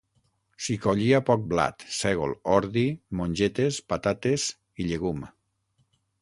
S'hi collia poc blat, sègol, ordi, mongetes, patates i llegum.